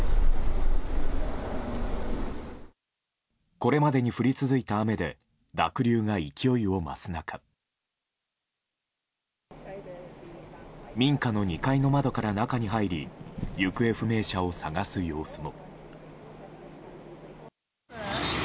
これまでに降り続いた雨で濁流が勢いを増す中民家の２階の窓から中に入り行方不明者を捜す様子も。